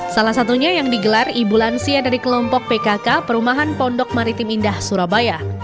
salah satunya yang digelar ibu lansia dari kelompok pkk perumahan pondok maritim indah surabaya